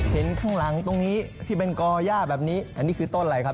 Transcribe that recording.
เห็นข้างหลังตรงนี้ที่เป็นก่อย่าแบบนี้อันนี้คือต้นอะไรครับ